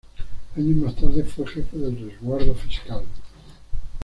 Años más tarde fue Jefe del Resguardo Fiscal.